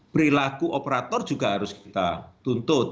perilaku operator juga harus kita tuntut